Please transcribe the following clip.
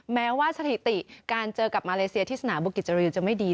แม้ว่าสถิติการเจอกับมาเลเซียที่สนามบุกิจจาริวจะไม่ดี